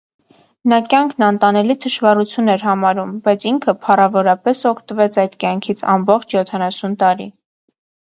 Նա կյանքն անտանելի թշվառություն էր համարում, բայց ինքը փառավորապես օգտվեց այդ կյանքից ամբողջ յոթանասուն տարի: